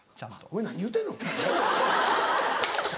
お前何言うてんの？